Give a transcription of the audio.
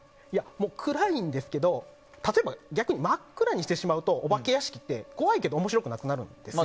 暗いんですけど例えば逆に真っ暗にしてしまうとお化け屋敷って怖いけど面白くなくなるんですよ。